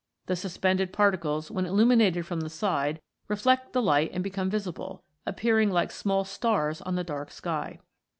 The suspended particles, when illuminated from the side, reflect the light and become visible, appearing like small stars on the dark sky.